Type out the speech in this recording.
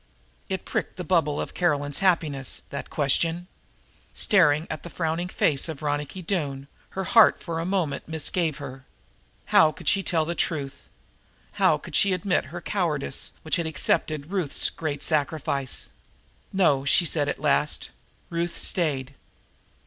It pricked the bubble of Caroline's happiness, that question. Staring at the frowning face of Ronicky Doone her heart for a moment misgave her. How could she tell the truth? How could she admit her cowardice which had accepted Ruth's great sacrifice? "No," she said at last, "Ruth stayed."